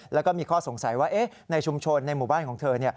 แล้วก็มีข้อสงสัยว่าในชุมชนในหมู่บ้านของเธอ